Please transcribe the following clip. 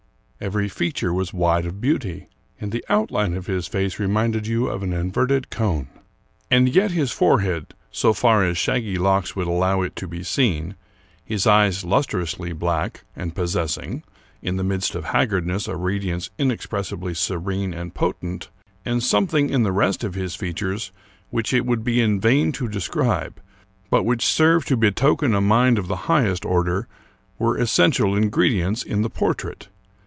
Every feature was wide of beauty, and the outline of his face reminded you of an inverted cone. And yet his forehead, so far as shaggy locks would allow it to be seen, his eyes lustrously black, and possessing, in the midst of haggardness, a radiance inexpressibly serene and potent, and something in the rest of his features which it would be in vain to describe, but which served to be token a mind of the highest order, were essential ingre dients in the portrait.